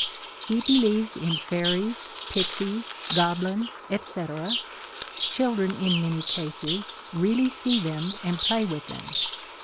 He believes in fairies, pixies, goblins, etc. — chil dren, in many cases, really see them and play with them.